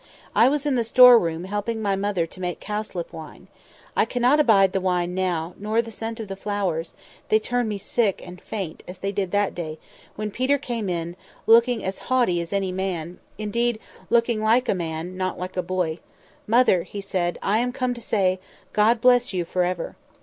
I was in the store room helping my mother to make cowslip wine. I cannot abide the wine now, nor the scent of the flowers; they turn me sick and faint, as they did that day, when Peter came in, looking as haughty as any man—indeed, looking like a man, not like a boy. 'Mother!' he said, 'I am come to say, God bless you for ever.